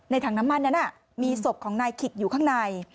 ถังน้ำมันนั้นมีศพของนายขิกอยู่ข้างใน